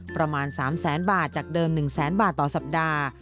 ประมาณ๓๐๐๐๐๐บาทจากเดิม๑๐๐๐๐๐บาทต่อสัปดาห์